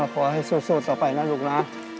ขอให้สู้ต่อไปนะลูกนะ